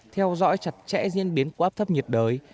theo dõi chặt chẽ diễn biến của áp thấp nhiệt đới